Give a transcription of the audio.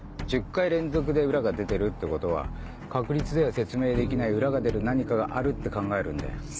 １０回連続で裏が出てるってことは確率では説明できない裏が出る何かがあるって考えるんだよ。